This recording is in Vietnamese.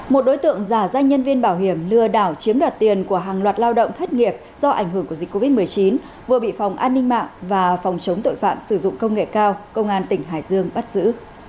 một đối tượng giả danh nhân viên bảo hiểm lừa đảo chiếm đoạt tiền của hàng loạt lao động thất nghiệp do ảnh hưởng của dịch covid một mươi chín vừa bị phòng an ninh mạng và phòng chống tội phạm sử dụng công nghệ cao công an tỉnh hải dương bắt giữ